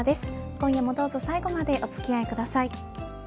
今夜もどうぞ最後までお付き合いください。